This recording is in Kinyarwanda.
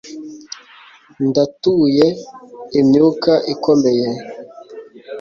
Ndatuye imyuka ikomeye